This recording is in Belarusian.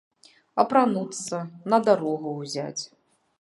Апрануцца, на дарогу ўзяць.